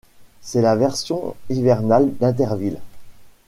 C'est la version hivernale d'Interville.